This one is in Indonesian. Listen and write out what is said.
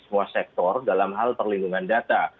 semua sektor dalam hal perlindungan data